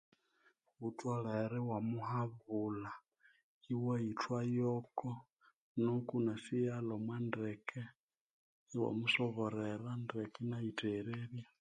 Ghutholere iwamuhabula iwayithwa yoko